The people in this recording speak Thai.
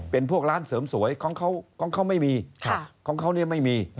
เป็นพวกร้านเสริมสวยของเขาไม่มีของเขาเนี่ยไม่มี